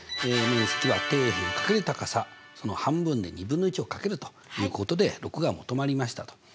面積は底辺×高さその半分で２分の１を掛けるということで６が求まりましたと。